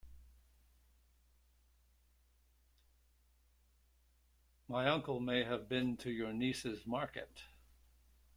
My uncle may have been to your niece's market.